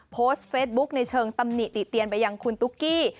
โพสต์เฟซบุ๊กในเชิงตำหนิติเตียนไปยังคุณตุ๊กกี้